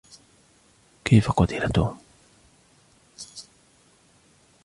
كيف قُتِل توم ؟